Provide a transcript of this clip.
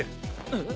えっ。